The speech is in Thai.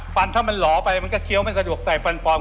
ฟันถ้ามันหล่อไปมันก็เคี้ยวไม่สะดวกใส่ฟันปลอม